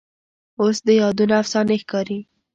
اوس دې یادونه افسانې ښکاري